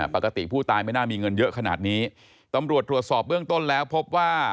ปกติผู้ตายไม่น่ามีเงินเยอะขนาดนี้ตำรวจตรวจสอบเบื้องต้นแล้วพบว่า